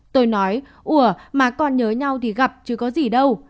tôi nói ủa mà con nhớ nhau thì gặp chứ có gì đâu